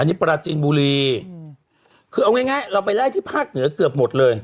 อันนี้ปราจีนบุรีคือเอาง่ายเราไปไล่ที่ภาคเหนือเกือบหมดเลย